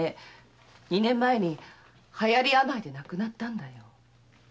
二年前に流行病で亡くなったんだよ。